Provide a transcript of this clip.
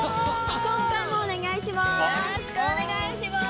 今回もお願いします。